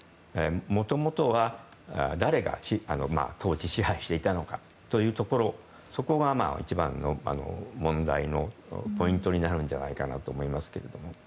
もともとは誰が統治、支配をしていたのかというところそこが一番の問題のポイントになるのではないかと思いますけど。